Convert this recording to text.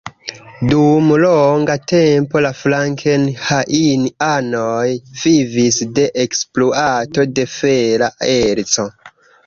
Dum longa tempo la frankenhain-anoj vivis de ekspluato de fera erco.